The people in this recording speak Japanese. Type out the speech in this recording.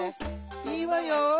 いいわよ」。